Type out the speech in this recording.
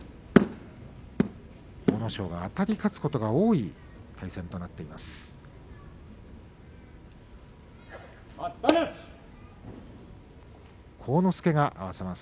阿武咲があたり勝つことが多い対戦となっています。